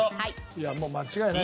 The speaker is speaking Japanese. いやもう間違いないです。